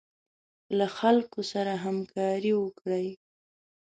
له خلکو سره همکاري وکړئ.